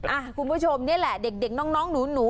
คุณผู้ชมนี่แหละเด็กน้องหนู